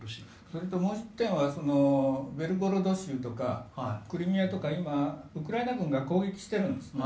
それともう１点はベルゴロド州とかクリミアとか今、ウクライナ軍が攻撃しているんですね。